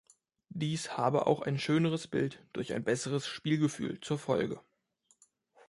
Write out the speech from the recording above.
Dies habe auch ein schöneres Bild durch ein besseres Spielgefühl zur Folge.